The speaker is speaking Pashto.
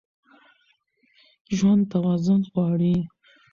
ژوند توازن غواړي.